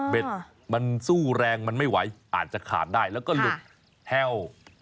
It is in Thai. มันสู้แรงมันไม่ไหวอาจจะขาดได้แล้วก็หลุดแห้ว